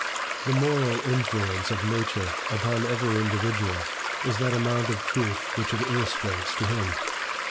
The moral influence of nature upon every individual is that amount of truth which it illustrates to him.